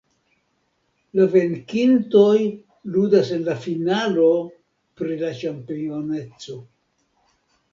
La venkintoj ludas en la finalo pri la ĉampioneco.